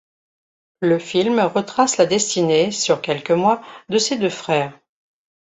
Le film retrace la destinée, sur quelques mois, de ces deux frères.